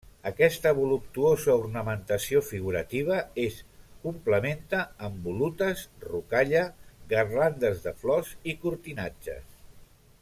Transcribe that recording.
Aquesta voluptuosa ornamentació figurativa es complementa amb volutes, rocalla, garlandes de flors i cortinatges.